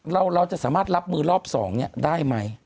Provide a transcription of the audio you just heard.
เราจะสามารถรับมือรอบสองได้มั้ย